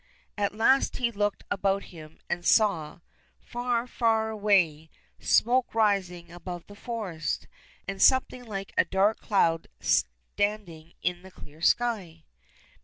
At last he looked about him and saw, far, far away, smoke rising above the forest, and something like a dark cloud standing in the clear sky.